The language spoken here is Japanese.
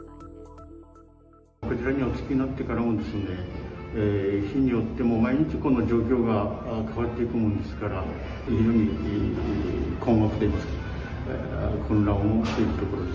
こちらにお着きになってからも、日によっても毎日、この状況が変わっていくものですから、非常に困惑といいますか、混乱をしているところです。